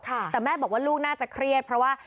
แต่แม่บอกว่าลูกน่าจะเครียดเพราะว่า